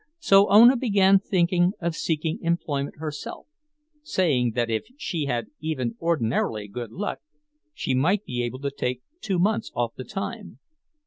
So Ona began thinking of seeking employment herself, saying that if she had even ordinarily good luck, she might be able to take two months off the time.